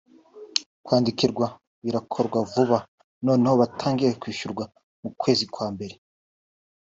Kwandikirwa birakorwa vuba noneho batangire kwishyurwa mu kwezi kwa mbere